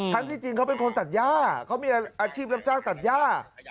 ที่จริงเขาเป็นคนตัดย่าเขามีอาชีพรับจ้างตัดย่า